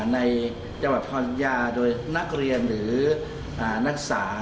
ในจังหวัดพรรยาโดยนักเรียนหรือนักศึกษา